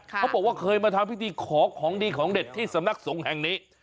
เขาบอกว่าเคยมาทำพิธีขอของดีของเด็ดที่สำนักสงฆ์แห่งนี้